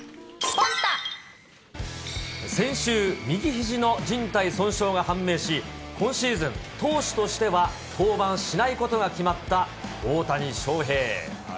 先週、右ひじのじん帯損傷が判明し、今シーズン、投手としては登板しないことが決まった大谷翔平。